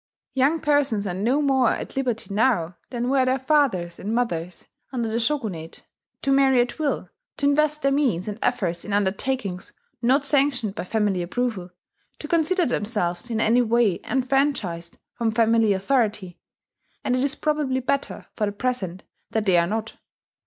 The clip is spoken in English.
Young persons are no more at liberty now, than were their fathers and mothers under the Shogunate, to marry at will, to invest their means and efforts in undertakings not sanctioned by family approval, to consider themselves in any way enfranchised from family authority; and it is probably better for the present that they are not.